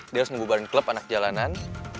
dia harus membubarin klub anak jalanan